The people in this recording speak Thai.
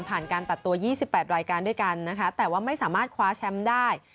การตัดตัว๒๘รายการด้วยกันนะคะแต่ว่าไม่สามารถคว้าแชมป์ได้